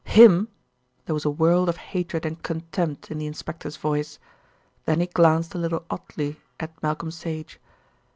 "Him!" There was a world of hatred and contempt in the inspector's voice. Then he glanced a little oddly at Malcolm Sage.